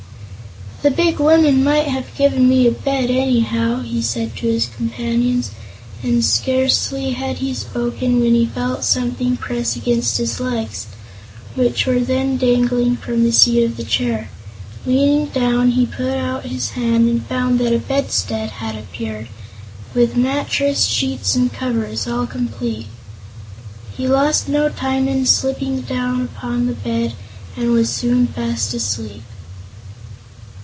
"The big woman might have given me a bed, anyhow," he said to his companions, and scarcely had he spoken when he felt something press against his legs, which were then dangling from the seat of the chair. Leaning down, he put out his hand and found that a bedstead had appeared, with mattress, sheets and covers, all complete. He lost no time in slipping down upon the bed and was soon fast asleep.